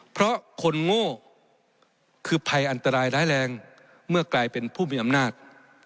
เพราะคนโง่คือภัยอันตรายร้ายแรงเมื่อกลายเป็นผู้มีอำนาจ